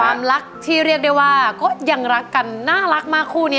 ความรักที่เรียกได้ว่าก็ยังรักกันน่ารักมากคู่นี้